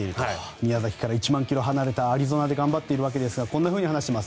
宮崎から１万ｋｍ離れたアリゾナで頑張っていますがこんなふうに話しています。